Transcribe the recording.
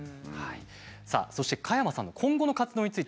さあそして加山さんの今後の活動について。